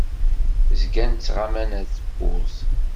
Zgan ttɣaman ar tewwurt.